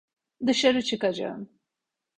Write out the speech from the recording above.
Dışarı çıkacağım.